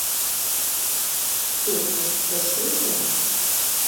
Toties bez kruķiem.